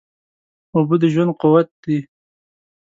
اوبه د ژوندانه قوت دي